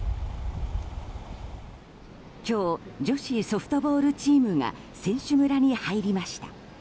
今日女子ソフトボールチームが選手村に入りました。